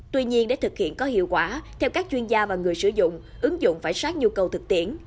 tuy nhiên để thực hiện có hiệu quả theo các chuyên gia và người sử dụng ứng dụng phải sát nhu cầu thực tiễn